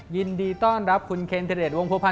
ยินดีต้อนรับคุณเค้นที่เรียนวงภูมิพันธ์